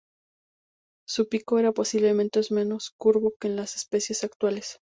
Su pico era, posiblemente, menos curvo que en las especies actuales.